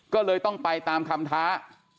ก็เลยต้องไปตามคำท้า